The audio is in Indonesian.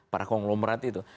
para konglomerat itu